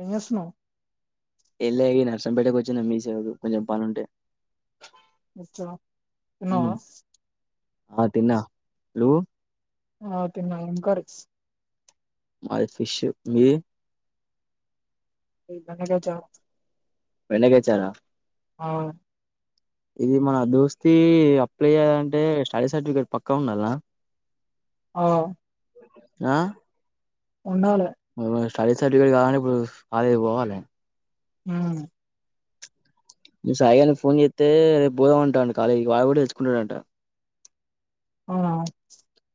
ఏం చేస్తున్నావ్ ఎం లే ఇ నర్సంపేటకు వచ్చిన మీ సేవకు కొంచెం పని ఉంటే వచ్చా ఊ తిన్నావా ఆ తిన్నా నువ్వు ఆ తిన్న ఏమ్ కర్రీ మాది ఫిష్ మీది బెండాకాయ చారు బెండకాయ చారు ఆ ఇది మన దోస్తీ అప్లై అయ్యాలంటే స్టడీ సర్టిఫికేట్ పక్కా ఉండాలా ఆ ఆ ఉండాలే స్టడీ సర్టిఫికేట్ కావాలంటే ఇప్పుడు కాలేజ్ పోవాలే హ్మ్ నేను సాయిగాని ఫోన్ చేతే రేపు పోదాంమంటాండు కాలేజీకి వాడు కూడా తెలుచుకుంటాడంట ఆ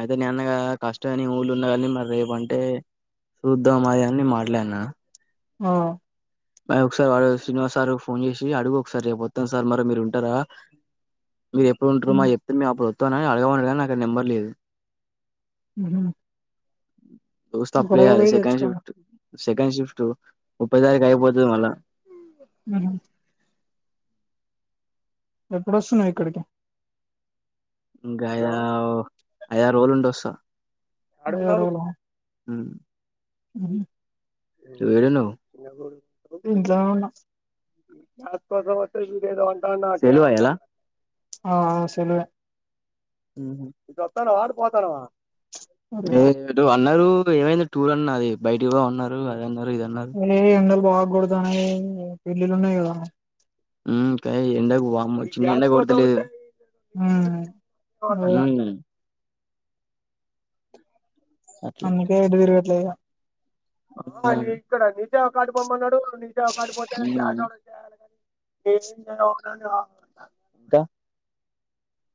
అయితే నేన్నగా కష్ట అని ఊళ్ళు ఉన్న కానీ మరి రేపు అంటే చూద్దామ్ అయి అని మాట్లాడినా ఆ ఒకసారి వాడు శ్రీనివాస్ సార్ ఫోన్ చేసి అడుగు ఒకసారి రేపు ఒత్తం సార్ మరి మీరు ఉంటారా మీరు ఎప్పుడు ఉంటారు మా చెప్తే మేము అప్పుడు ఒత్తం అని అడగ ఉండ కానీ నాకు నెంబర్ లేదు ఉ హు దోస్త్ అప్లై చేయాలే సెకండ్ షఫ్ట్ సెకండ్ షిఫ్ట్ ముప్పై తారీఖ అయిపోతది మళ్ళ ఉమ్మ్ ఎప్పుడుొస్తున్నావు ఇక్కడికి ఇంకా అయిదార్ ఐదుఆరు రోజులు ఉండి వస్తా ఎవర్ఎవలు మ్మ్ ఉమ్మ్ ఏడున్నావ్ ఇంట్లోనే ఉన్నా సెలవా ఇయాల ఆ ఆ సెలవే ఉహు ఇటు వత్తాన్నవా అటు పోతన్నావ అరే, లేదు అన్నారు ఏమైంది టూర్ అన్నారు బైటికి పోదాం అన్నారు ఇది అన్నారు ఏ ఎండలు బాగా కొడుతున్నాయి పెళ్లిళ్లు ఉన్నాయి కదా మ్మ్ కై ఎండ వమ్మ చిన్న ఎండ కొడతులేదు ఉమ్ అదే మ్మ్ అందుకే ఎటు తిరగట్లే ఈగ ఇక్కడ నిజే కాటిపోమ్మన్నాడు నిజే కాడిపోతే చేయాలి కాని ఇంకా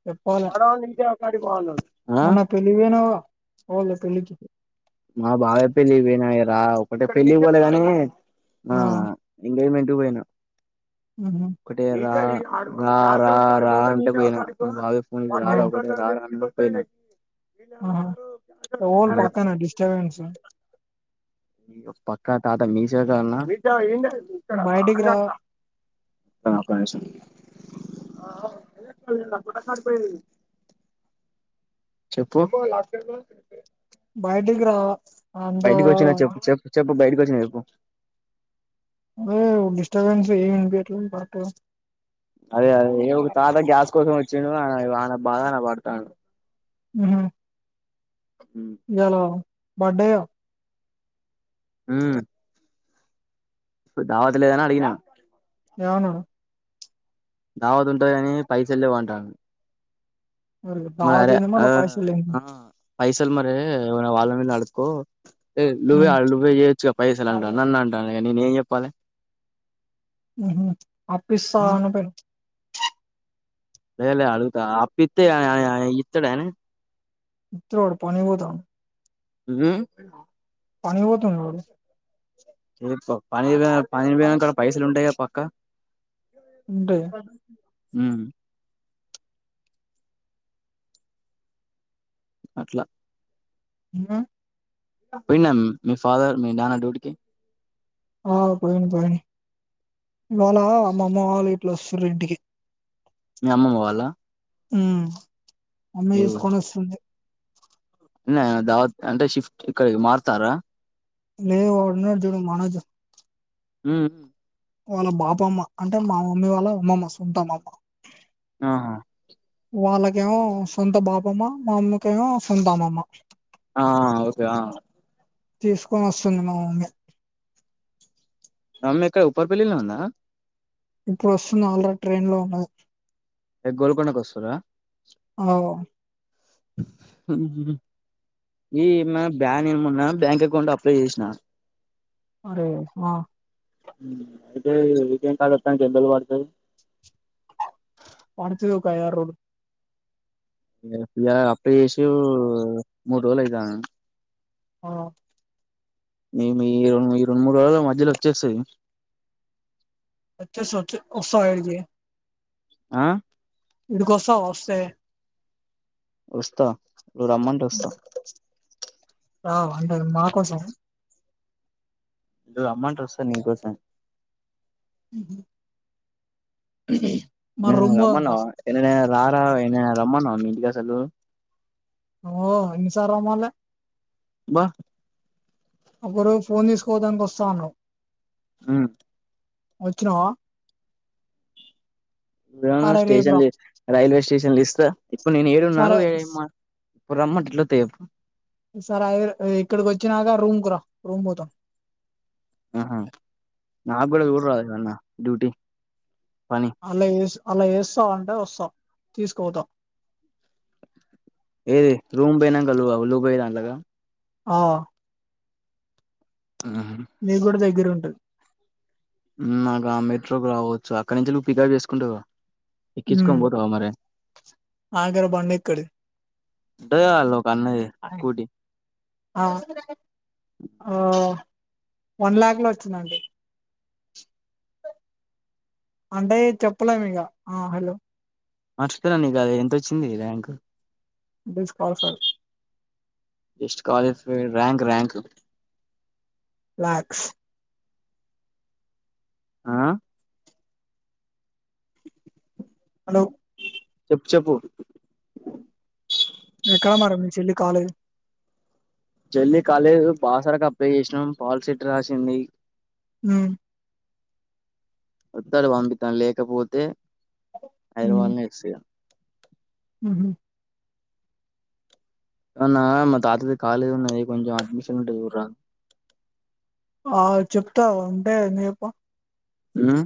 చెప్పాలి వాడ నికే ఆమెకాడికి పో అన్నాడు మొన్న పెళ్లికి పోయినావుగా పోలే పెళ్లికి మా బావే పెళ్ళి కి పోయినాయరా ఒకటే పెళ్ళి కి పోలే గాని ఆ ఎంగేజ్మెంట్ కి పోయినా ఉహు ఒకటే రా రా రా అంటే పోయిన బావ ఫోన్ రా ఆ రా ఒకటే రారా అంటే పోయిన వీళ్ళే [unintelligible] చాన్స్ పక్కా తాత మీసేవ కడనా [unintelligible] ఒక్క నిమిషం బయటికి రా [unintelligible] గుట్టకాడికీ పోయింది. చెప్పు బయటికి రావా బయటికి వచ్చిన చెప్పు చెప్పు చెప్పు బయటకి వచ్చిన చెప్పు ఎవ్ డిస్టర్బెన్సీ ఏమి అట్లా పాటో అదే అదే ఏ ఒక తాత గ్యాస్ కోసం వచ్చిండు ఆయన బాధ ఆయన పడతాండు ఉహు ఇయాలా బర్డే ఊ ధావత్ లేదని అడిగినా ఏమన్నాడు దావతు ఉంటది కాని పైసల్ లేవ్ అంటాండు మరి దావత్ మరే ఏంది ఆ మళ్ళ పైసలు ఏంది ఆ పైసలు మరి వాళ్ళ మీద అడుకో నువే ఉమ్ నువ్వే చిగా పైసలు అంటాండు నన్ను అంటాండు నేను ఏం చెప్పాలి ఉహు అప్పు ఇస్తావా లే లే అడుగుతా అప్పు ఇత్తే ఆ ఆ ఇత్తడా ఇత్తడు వాడు పోనిగూడదు వాన్ని ఊ పనికి పోతాండు వాడు పని పనినికి పైసలు ఉంటాయా పక్కా ఉంటే ఊ అట్లా ఉ పోయిండ మీ ఫాదర్ మీ నాన్న డ్యూటికి ఆ పోయింది పోయింది ఇవాళ అమ్మమ్మ వాళ్ళు గిట్ల వస్తూర్రు ఇంటికి మీ అమ్మమ్మ వాళ్ళ ఉ మమ్మీ తీసుకొని వస్తుంది అన్నయ్య దావత్ అంటే షిఫ్ట్ ఇక్కడికి మారుతారా లేదు వాడు ఉన్నాడు జూడు మనోజ్ ఉ ఉ వాళ్ళ బాపమ్మ అంటే మా మమ్మీ వాళ్ళ అమ్మమ్మ సొంతం మాకు ఆహా వాళ్ళకేమో సొంత బాపమ్మ మా అమ్మకేమో సొంత అమ్మమ్మ ఆ ఓకే ఆ తీసుకొని వస్తుంది మా మమ్మీ మమ్మీ ఇక్కడ ఉప్పరపల్లిలో ఉందా ఇప్పుడు వస్తుంది ఆల్రెడీ ట్రైన్ లోను ఏ గోల్కండ కు వస్తూర్ర ఆవ్ ఉహు ఈ ఏమ బ్యాన మొన్న బ్యాంక్ అకౌంట్ అప్లై చేసినా అరే ఆ ఉ అయితే ఏటీఎం కార్డు వత్తానికి ఎన్ని రోజులు పడతాయి పడుతుది ఒక ఐదు ఆరు రోజులు అప్లై చేసీ మూడు రోజుల అయిద ఆ మేము ఈ రెండు ఈ రెండు మూడు రోజుల మధ్యలో వచ్చేసిది వచెస్ వస్తావా ఇడికి ఆ ఈటీకోస్తవ వస్తె వస్తా నువు రమ్మంటే వస్తా రా అంటే మా కోసం ను రమ్మంటే వస్తా నీ కోసం అ హు రమ్మనవ ఎన్నడైనా రారా అయినా రామన్నవ మీ ఇంటికి అసలు ఓ ఎన్ని సార్లు రామాండ్ల అబ్బా ఒక రోజు ఫోన్ తీసుకోవడాానికి వస్తా అన్నావ్ హూ వచ్చినవ ఇను స్టేషన్లు రైల్వే స్టేషన్లు ఇస్తా ఇప్పుడు నేను ఏడు ఉన్నాను సరే ఏం మా [unintelligible] ఓ సారి అ ఇక్కడికి వచ్చినాక రూమ్ కురా రూమ్ పోతాం ఆహ నాగూడ చూడరా ఏదన్నా డ్యూటీ పని అలా అలా వేస్తా అంటే వస్తాం తీసుకోతాం ఏది రూమ్ పోయనా [unintelligible] ఆ ఆహా నీకు కూడా దగ్గర ఉంటది ఉమ్ ఆగ మెట్రోకి రావచ్చు అక్కడి నుంచి నువ్వు పికప్ చేసుకుంటావు గా ఎక్కించుకొని ఉమ్ పోతావా మరే ఆఖరి బండి ఎక్కడిది ఉంటది కదా [unintelligible] ఆన్నా దే స్కూటీ ఆ ఆ వన్ ల్యాక్ లో వచ్చిందండి అంటే చెప్పలేము ఇక ఆ హలో మర్చిపోయిన నీ కది ఎంతొచ్చింది rank disqualify disqualify rank rank lakhs ఆ హలో చెప్పు చెప్పు ఎక్కడ మరి మీ చెల్లి కాలేజ్ చెల్లి కాలేజ్ బాసరకప్లై చేసినా పాలసీట్ రాసింది ఉ వద్దాడు పంపితాను లేకపోతే హైదరవాలని [unintelligible] ఉహూ అవునా మ తాతది కాలిగా ఉన్నడి కొంచం అడ్మిషన్ ఉంటే చూడు రా ఆ చెప్తా ఉంటే ఎందుకు చెప్ప ఉమ్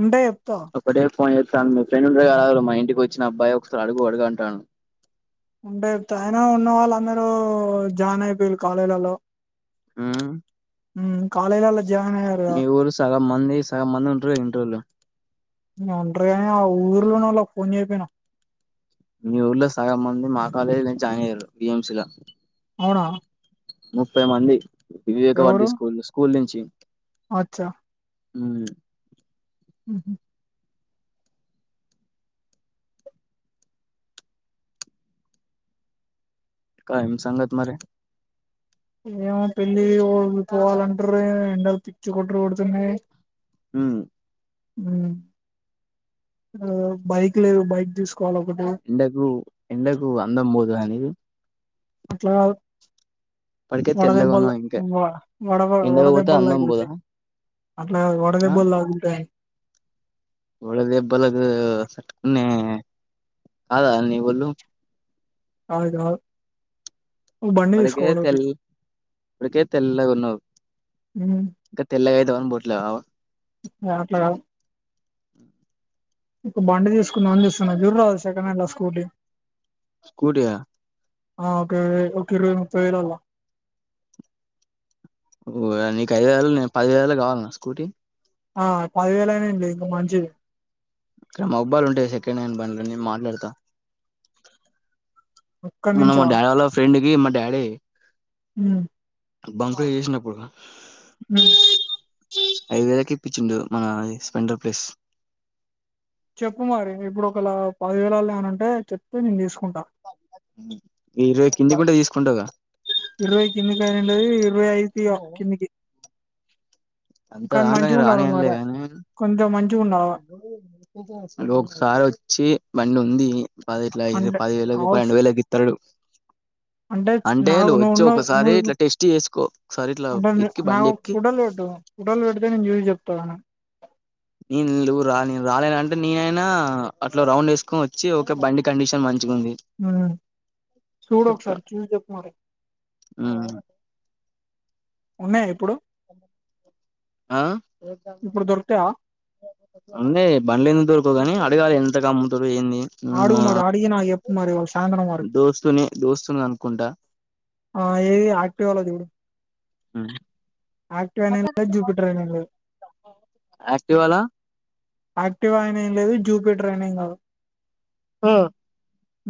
ఉంటే చెప్ ఒకడే ఫోన్ చేస్తాను మీ ఫ్రెండ్ ఉండరు కద మా ఇంటికి వచ్చిన అబ్బాయి ఒకసారి అడుగు అడుగు అంటండు ఉంటే చెప్తా ఆయిన ఉన్న వాళ్ళు అందరూ జాయిన్ అయిపోయారు కాలేజీలలో హుమ్ ఊమ్ కాలేజీ లలో మీ ఊరు సగం మంది సగం మంది ఉంట్ర ఇంటరోల్లు అంటరుగానే ఆ ఊర్లోనే వాళ్ళ ఫోన్ చేయపోయినా మీ ఊర్లో సగం మంది మా కాలేజీ లో జాయిన్ అయినారు బీఎంసీ ల అవునా ముప్పై మంది వివేకవర్ది ఎవరు స్కూల్ స్కూల్ నుంచి అచ్చా ఉ ఊహు క ఏం సంగత్ మరి ఏమో పెళ్ళి పోవాలంటరి ఎండలు పిచ్చి కొట్టురు కొడుతున్నాయి ఉమ్ ఉ బైక్ లేదు బైక్ తీసుకు ఎండకు ఎండకు అందం పోదు నిది అట్లగాదు ఇప్పటికే వడదెబ్బల్ తెల్లగాన్నావు ఇంకా వడ ఎండకు పోతే వడదెబ్బల్ అందం దగిళ్తే పోదా అట్లగాదు వడదెబ్బలు తగుల్తాయని వాడదబ్బలకు సట్కునే కాదరా నీ వొళ్ళు అవుజా వాడకే తెల్ అటికే తెల్లగున్నావ్ ఉమ్, ఇంకా తెల్లగయిదావని బోట్ల అట్లగదు ఒక బండి తీసుకుందమని జూస్తన్నా జరు రాదు సెకండ్ హ్యాండిల్ స్కూటీ స్కుటియా ఆ ఓకే ఒక ఇరువై ముప్ప వేలాల ఓ నీకు ఐదు వేలు నేను పదివేలు కావాలన్న స్కూటీ ఆ పదివేలయినాండి ఇంకా మంచిది ఇక్కడ మబ్బాలుంటాయ్ సెకండ్ హ్యాండ్ బనులున్న మాట్లాడతా అక్కడి మన మా నుంచా డాడోళ్ళ ఫ్రెండ్ కి మా డాడీ హ బంకు జేసినప్పుడు ఉమ్ చ్చిండు మన స్పెర్ ప్లేస్ చెప్పు మరి ఇప్పుడు ఒకలా పదివేలల్లో ఏమనంటే చెప్తే నేను తీసుకుంటా ఈ ర కిందికింటే తీసుకుంటగా ఇరవై కిందికి అనడిది ఇరవై ఐదు ఒక కిందికి అంత కానీ దాకా నే మంచిగా ఉండాల రానియనులే మరి గానీ కొంచెం మంచిగా ఉండాల అంటే ఒకసారి వచ్చి బండి ఉంది పది ఇట్లా అంటే పది వేలకు హౌస్ పన్నెండు వేలుకిస్తాడు అంటే నాకు నువ్వున్న ఒకసారి నువవు ఇట్లా టెస్ట్ చేసుకో ఒకసారి ఇట్లా అంటే ఎక్కి బండి నాకు ఎక్కి ఫడ ఫోటోలు పెడితే నేను జూసి జెప్తా నేను నురాలే రాలేనంటే నేనైనా అట్లా రౌండ్ యేసుకొనొచ్చి ఓకే బండి కండిషన్ మంచి అ సూడొక్సరీ చూస్జెప్ప మరి ఆ ఉన్నాయా ఇప్పుడు అ ఆ ఇప్పుడు దొరుకుతాయా అండి బండ్లు ఎందుకు దొరుకోగాని అడగాలెంత కమ్ముతారు ఏంది ఉమ్ అడుగు మరి అడిగి నాకు చెప్పు మరి వాళ్ళు సాయంత్రం వరకు దోస్తునే దోస్తుని అనుకుంటా ఆ ఏవి ఆక్టివాళ జూడు ఉమ్ లేదు జూపిటర్ అయిన లేదు యాక్టివాల యాక్టివ్ అయినే ఏం లేదు జూపీటర్ అయినేం గాదు ఆ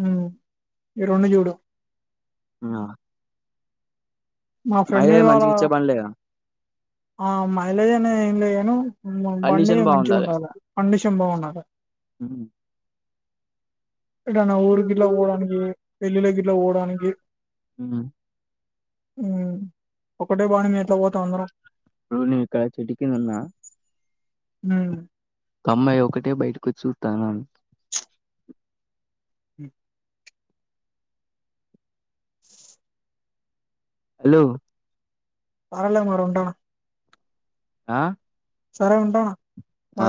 ఉ ఇరొండు చూడు ఆ మా ఫ్రెండే కావాలా ఇచ్చే బండ్లేగా ఆ మైలేజ్ అనే ఏం లేగాను బండి కండిషన్ మంచిగా ఉండాలా కండిషన్ బావుండాలే హ ఎటన ఊరి గిట్లా పోవడానికి పెళ్లిళ్లకి గిట్లా పోవడానికి ఉహు ఉ ఒకటే బండి మీద ఎట్లా అందరం బ్రో ఇక్కడ చెట్టు కింద ఉన్న ఉ ఒక అమ్మాయి ఒకటే బయటకు చూతంది నాన్ అ హాలో సార్లే మరి ఉంటా ఆ సరే ఉంటానా ఆ